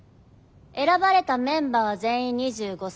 選ばれたメンバーは全員２５才以下。